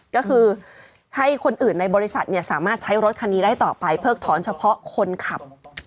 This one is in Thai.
ก็คือให้คนอื่นในบริษัทสามารถใช้รถคันนี้ได้ต่อไปเพิกถอนเฉพาะคนขับ